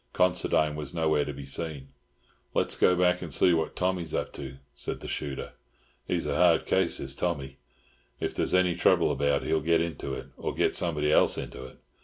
Considine was nowhere to be seen. "Let's go back and see what Tommy is up to," said the shooter. "He's a hard case, is Tommy. If there's any trouble about he'll get into it, or get somebody else into it.